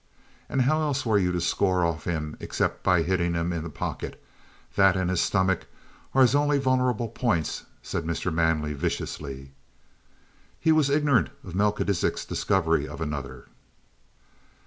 "And how else were you to score off him except by hitting him in the pocket? That and his stomach are his only vulnerable points," said Mr. Manley viciously. He was ignorant of Melchisidec's discovery of another.